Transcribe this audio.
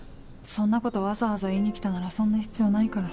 そんなことわざわざ言いに来たならそんな必要ないから。